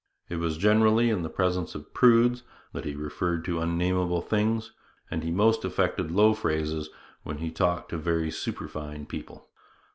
It was generally in the presence of prudes that he referred to unnamable things; and he most affected low phrases when he talked to very superfine people.